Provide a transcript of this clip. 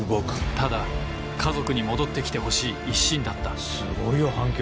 ただ家族に戻って来てほしい一心だったすごいよ反響！